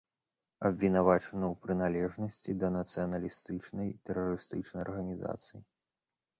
Абвінавачаны ў прыналежнасці да нацыяналістычнай тэрарыстычнай арганізацыі.